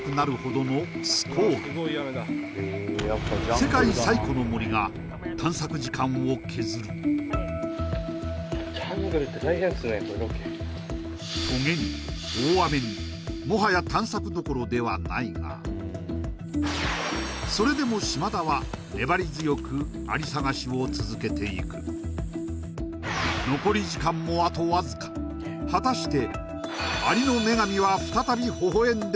世界最古の森が探索時間を削るトゲに大雨にもはや探索どころではないがそれでも島田は粘り強くアリ探しを続けていく果たして